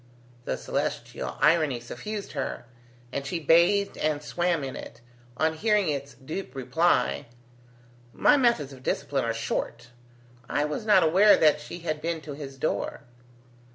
The celestial irony suffused her, and she bathed and swam in it, on hearing its dupe reply: "My methods of discipline are short. I was not aware that she had been to his door."